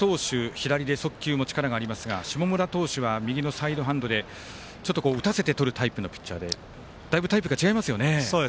左で速球、力もありますが下村投手は右のサイドハンドで打たせてとるタイプのピッチャーでだいぶタイプが違いますよね。